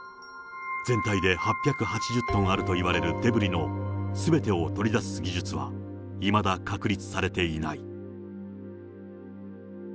全体で８８０トンあるといわれるデブリのすべてを取り出す技術はいまだ確立されていない。